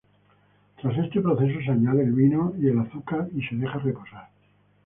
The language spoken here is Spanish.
Tras este proceso se añade el vino y el azúcar y se deja reposar.